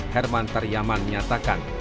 herman taryaman menyatakan